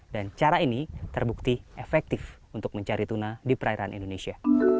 dan cara ini terbukti efektif untuk mencari tuna di perairan indonesia